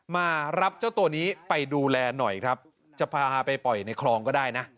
มารับเจ้าตัวนี้ไปดูแลหน่อยครับจะพาไปปล่อยในคลองก็ได้นะ